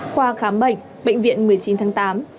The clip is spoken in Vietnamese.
khoa khám bệnh bệnh viện một mươi chín tháng tám